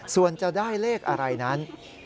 ส่วนจะได้เลขอะไรนั้น